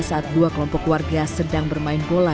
saat dua kelompok warga sedang bermain bola